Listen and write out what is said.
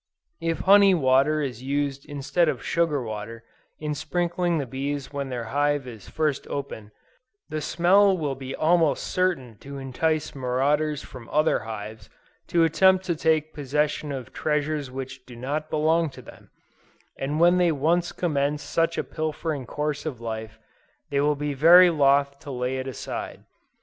If honey water is used instead of sugar water in sprinkling the bees when the hive is first opened, the smell will be almost certain to entice marauders from other hives to attempt to take possession of treasures which do not belong to them, and when they once commence such a pilfering course of life, they will be very loth to lay it aside.